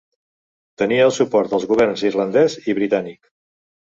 Tenia el suport dels governs irlandès i britànic.